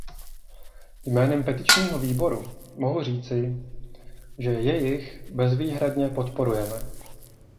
Jménem Petičního výboru, mohu říci, že jejich bezvýhradně podporujeme.